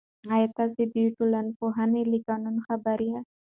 آیا تاسې د ټولنپوهنې له قوانینو خبر یاست؟